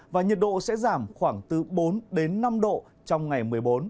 và nhiệt độ sẽ giảm khoảng bốn năm độ trong ngày một mươi bốn